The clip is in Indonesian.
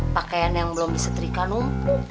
pakaian yang belum diseterikan um